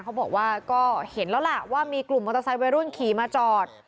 เขาบอกว่าก็เห็นแล้วล่ะว่ามีกลุ่มมอเตอร์ไซค์วัยรุ่นขี่มาจอด